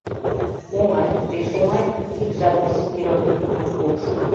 — Оҥай, пеш оҥай, — ик жап гыч Зиновий йӱкым пуыш.